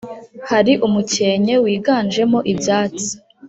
hari umukenke wiganjemo ibyatsi